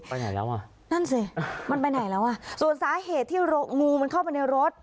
ไหนแล้วอ่ะนั่นสิมันไปไหนแล้วอ่ะส่วนสาเหตุที่งูมันเข้าไปในรถ